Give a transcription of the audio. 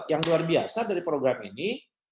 yang luar biasa dari program ini